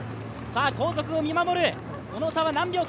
後続を見守る、その差は何秒か。